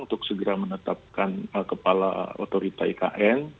untuk segera menetapkan kepala otorita ikn